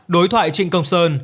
đối thoại trịnh công sơn